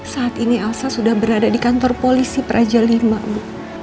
saat ini alsa sudah berada di kantor polisi praja v bu